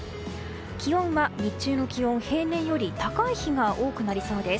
気温は日中の気温、平年より高い日が多くなりそうです。